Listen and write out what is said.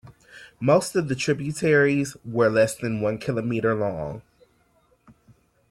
Most of the tributaries were less than one kilometer long.